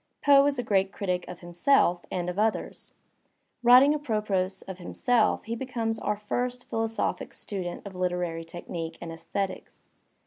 Poe is a great critic of himself and of others. Writing apropos of himself he becomes our first philosophic student of hterary technique and aesthetics.